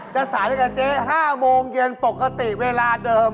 จะสายกับเจ๊๕โมงเย็นปกติเวลาเดิม